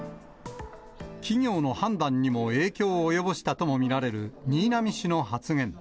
企業の判断にも影響を及ぼしたとも見られる新浪氏の発言。